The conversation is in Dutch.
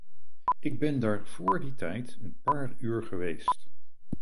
Ik ben daar voor die tijd een paar uur geweest.